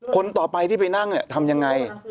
คนต่อไปที่ไปนั่งทำยังไง